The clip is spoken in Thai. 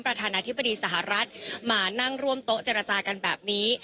ประธานาธิบดีสหรัฐมานั่งร่วมโต๊ะเจรจากันแบบนี้